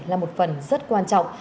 là một phần rất quan trọng